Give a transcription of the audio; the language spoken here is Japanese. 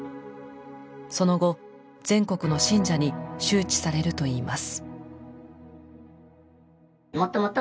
その後全国の信者に周知されるといいます。